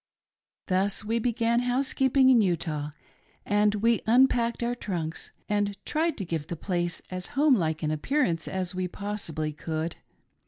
Thus we began housekeeping in Utah, and we unpacked our trunks and tried to give the place as home like an Appear ance as we possibly could.